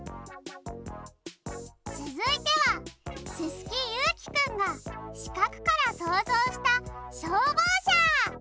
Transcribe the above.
つづいてはすすきゆうきくんが「しかく」からそうぞうしたしょうぼうしゃ！